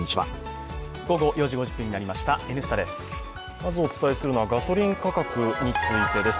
まずお伝えするのはガソリン価格についてです。